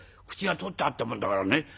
口が取ってあったもんだからね